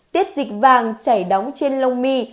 tiết dịch vàng chảy đóng trên lông mi